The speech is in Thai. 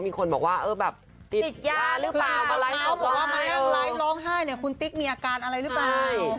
เขาบอกว่ามาร้ายร้องไห้คุณติ๊กมีอาการอะไรรึเปล่า